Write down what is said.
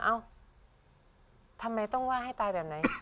เอ้าทำไมต้องว่าให้ตายแบบไหน